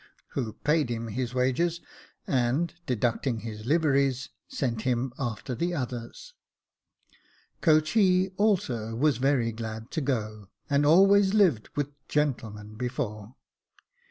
who paid him his wages, and, deducting his liveries, sent him after the others. Coachee also was very glad to go — had always lived with gentlemen before.